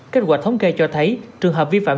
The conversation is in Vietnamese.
kết quả thống kê cho thấy trường hợp vi phạm